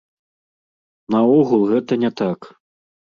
Наогул гэта не так.